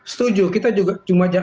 setuju kita juga